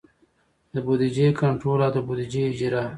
د بودیجې کنټرول او د بودیجې اجرا.